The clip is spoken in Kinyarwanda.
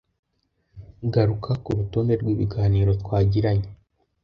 Garuka kurutonde rwibiganiro twagiranye